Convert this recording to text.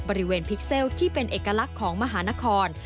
พิกเซลที่เป็นเอกลักษณ์ของมหานคร